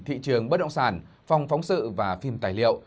thị trường bất động sản phòng phóng sự và phim tài liệu